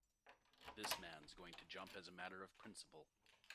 This man's going to jump as a matter of principle.